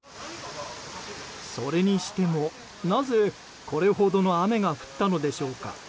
それにしても、なぜこれほどの雨が降ったのでしょうか。